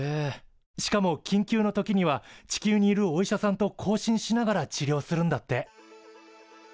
しかも緊急の時には地球にいるお医者さんと交信しながら治療するんだって。